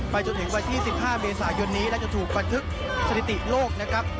จนถึงวันที่๑๕เมษายนนี้และจะถูกบันทึกสถิติโลกนะครับ